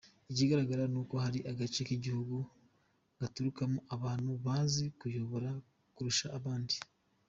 Ikigaragara nuko hari agace k’igihugu gaturukamo abantu bazi kuyobora kurusha abandi.